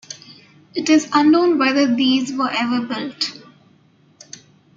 It is unknown whether these were ever built.